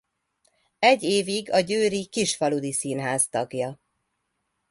Egy évig a győri Kisfaludy Színház tagja.